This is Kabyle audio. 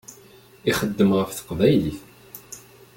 Ixeddem ɣef teqbaylit.